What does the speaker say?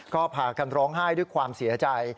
ก็พากันร้องไห้ด้วยความเสียใจ